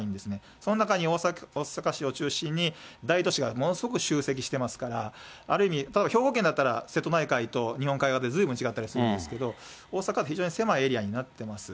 その中に大阪市を中心に、大都市がものすごく集積してますから、ある意味、例えば兵庫県だったら、瀬戸内海と日本海側でずいぶん違ったりするんですけど、大阪は非常に狭いエリアになってます。